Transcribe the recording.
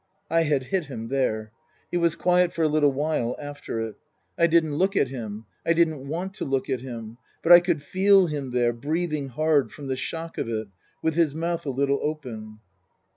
I had hit him there. He was quiet for a little while after it. I didn't look at him I didn't want to look at him but I could feel him there, breathing hard from the shock of it, with his mouth a little open.